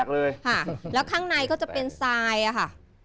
ครับแล้วข้างในก็จะเป็นสายค่ะ